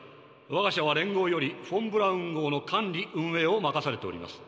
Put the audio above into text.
わが社は連合よりフォン・ブラウン号の管理・運営を任されております。